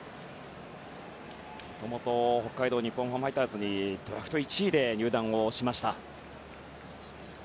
もともと北海道日本ハムファイターズにドラフト１位で入団しました。